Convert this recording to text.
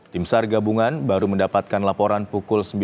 tim sargabungan bahwa perempuan ini tidak bisa berhenti berhenti berhenti